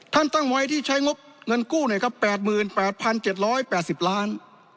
ตั้งไว้ที่ใช้งบเงินกู้เนี่ยครับ๘๘๗๘๐ล้าน